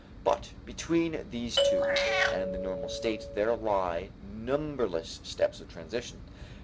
But between these two and the normal state there lie numberless steps of transition.